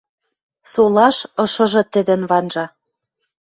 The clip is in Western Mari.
Солаш ышыжы тӹдӹн ванжа.